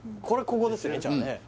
これここですよね？